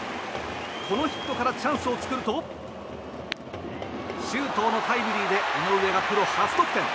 このヒットからチャンスを作ると周東のタイムリーで井上がプロ初得点。